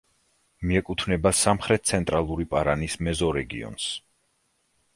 მიეკუთვნება სამხრეთ-ცენტრალური პარანის მეზორეგიონს.